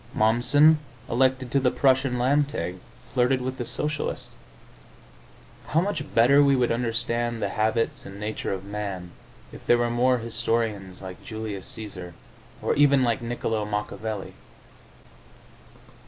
Momssen, elected to the Prussian Landtag, flirted with the Socialists. How much better we would understand the habits and nature of man if there were more historians like Julius Caesar, or even like Niccolo Machiavelli!